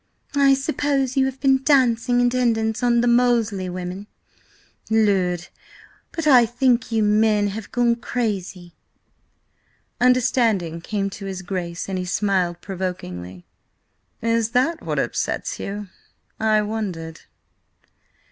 "I suppose you have been dancing attendance on the Molesly woman? Lud! but I think you men have gone crazed." Understanding came to his Grace, and he smiled provokingly. "Is that what upsets you? I wondered."